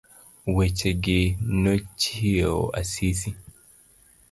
Wechegi nochiewo Asisi.